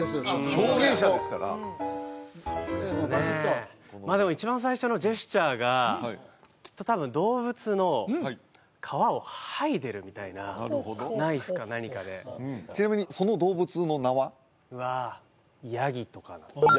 表現者ですからそうですねまあでも一番最初のジェスチャーがきっと多分動物の皮を剥いでるみたいなナイフか何かでちなみにその動物の名は？はヤギとかなんですかね